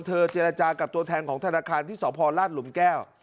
เจรจากับตัวแทนของธนาคารที่สพลาดหลุมแก้ว